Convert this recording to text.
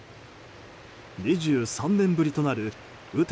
２３年ぶりとなる雨天